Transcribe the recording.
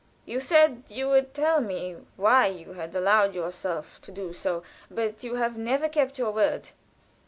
You said you would tell me why you had allowed yourself to do so, but you have never kept your word."